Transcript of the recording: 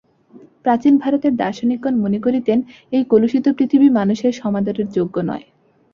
প্রাচীন ভারতের দার্শনিকগণ মনে করিতেন, এই কলুষিত পৃথিবী মানুষের সমাদরের যোগ্য নয়।